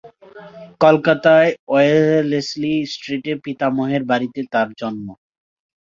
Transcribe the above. কলকাতায় ওয়েলেসলি স্ট্রিটে পিতামহের বাড়িতে তাঁর জন্ম।